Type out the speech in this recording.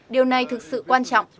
điều này thực sự quan trọng